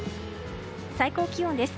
最高気温です。